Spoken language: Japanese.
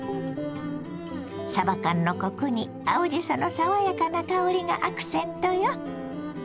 さば缶のコクに青じその爽やかな香りがアクセントよ。